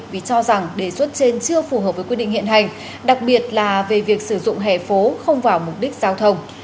vì cho rằng đề xuất trên chưa phù hợp với quy định hiện hành đặc biệt là về việc sử dụng hẻ phố không vào mục đích giao thông